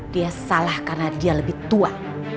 dia salah karena dia lebih tua